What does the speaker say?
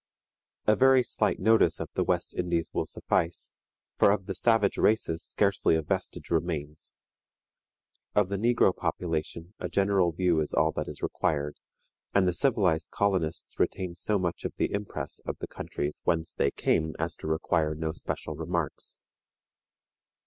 A very slight notice of the West Indies will suffice, for of the savage races scarcely a vestige remains; of the negro population a general view is all that is required, and the civilized colonists retain so much of the impress of the countries whence they came as to require no special remarks.